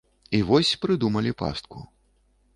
І вось прыдумалі пастку.